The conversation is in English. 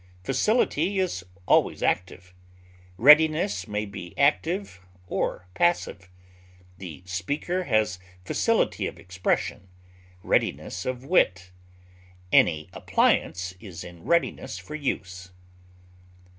Facility is always active; readiness may be active or passive; the speaker has facility of expression, readiness of wit; any appliance is in readiness for use.